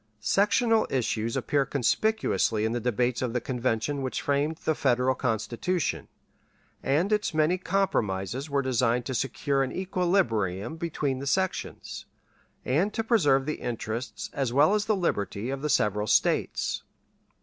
Sectional issues appear conspicuously in the debates of the Convention which framed the Federal Constitution, and its many compromises were designed to secure an equilibrium between the sections, and to preserve the interests as well as the liberties of the several States.